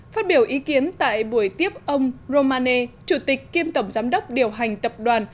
phát biểu ý kiến tại buổi tiếp ông romane chủ tịch kiêm tổng giám đốc điều hành tập đoàn